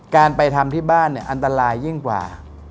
การไปทำที่บ้านเนี่ยอันตรายยิ่งกว่า